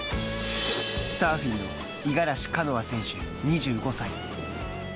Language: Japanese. サーフィンの五十嵐カノア選手、２５歳。